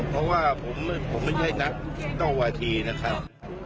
เพราะว่าผมไม่ใช่นักเก้าวาทีนะครับ